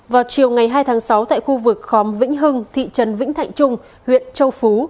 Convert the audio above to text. vào chiều ngày hai tháng sáu tại khu vực khóm vĩnh hưng thị trấn vĩnh thạnh trung huyện châu phú